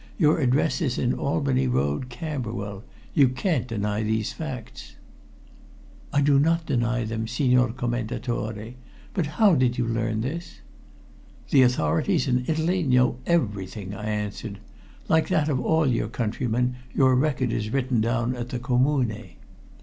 Your address is in Albany Road, Camberwell. You can't deny these facts." "I do not deny them, Signor Commendatore. But how did you learn this?" "The authorities in Italy know everything," I answered. "Like that of all your countrymen, your record is written down at the Commune."